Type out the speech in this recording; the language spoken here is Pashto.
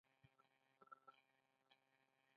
حيران وم چې دا څه کيسه ده.